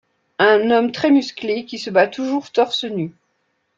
Un homme très musclé qui se bat toujours torse nu.